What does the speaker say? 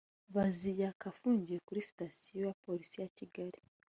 Baziyaka afungiwe kuri Sitasiyo ya Polisi ya Kigali